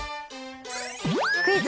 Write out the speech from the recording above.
クイズ！